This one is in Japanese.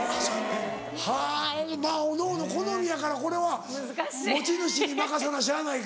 はぁまぁおのおの好みやからこれは持ち主に任せなしゃあないか。